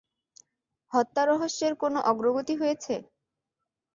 হত্যা রহস্যের কোন অগ্রগতি হয়েছে?